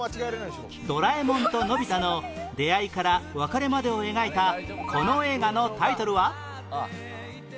ドラえもんとのび太の出会いから別れまでを描いたこの映画のタイトルは？